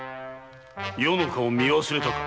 余の顔を見忘れたか。